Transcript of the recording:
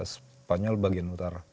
spanyol bagian utara